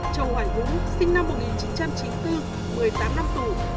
châu hoài vũ sinh năm một nghìn chín trăm chín mươi bốn một mươi tám năm tù